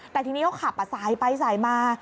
แต่ที่นี่ก็ขับสายไปสายมา